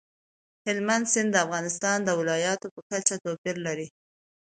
هلمند سیند د افغانستان د ولایاتو په کچه توپیر لري.